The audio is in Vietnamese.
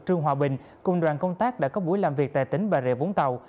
trương hòa bình cùng đoàn công tác đã có buổi làm việc tại tỉnh bà rịa vũng tàu